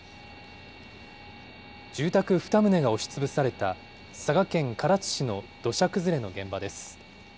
住宅２棟が押しつぶされた佐賀県唐津市の土砂崩れの現場です。